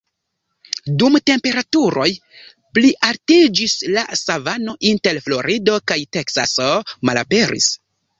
Dum temperaturoj plialtiĝis, la savano inter Florido kaj Teksaso malaperis.